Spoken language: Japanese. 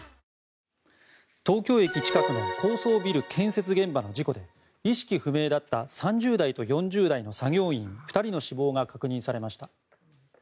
東京駅近くの高層ビル建設現場の事故で意識不明だった３０代と４０代の作業員２人の死亡が確認されました。